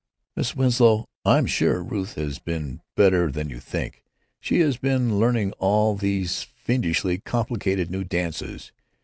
"Mrs. Winslow, I'm sure Ruth has been better than you think; she has been learning all these fiendishly complicated new dances.